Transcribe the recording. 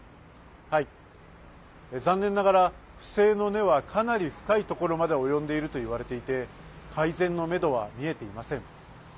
残念ながら不正の根はかなり深いところまで及んでいるといわれていて改善のめどは見えていません。